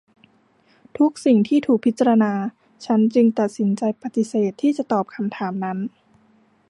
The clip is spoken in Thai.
ทุกสิ่งที่ถูกพิจารณา ฉันจึงตัดสินใจปฏิเสธที่จะตอบคำถามนั้น